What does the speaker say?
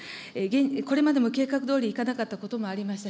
これまでも計画どおりいかなかったこともありました。